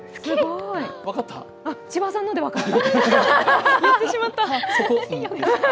千葉さんので分かりました。